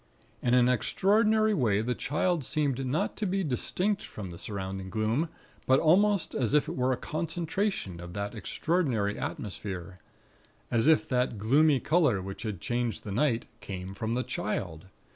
In an extraordinary way, the Child seemed not to be distinct from the surrounding gloom; but almost as if it were a concentration of that extraordinary atmosphere; as if that gloomy color which had changed the night, came from the Child.